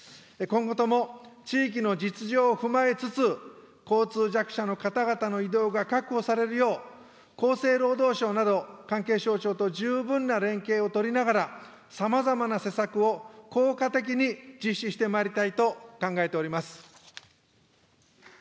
今後とも地域の実情を踏まえつつ、交通弱者の方々の移動が確保されるよう、厚生労働省など関係省庁と十分な連携を取りながら、さまざまな施策を効果的に実施してまいりたいと考えております。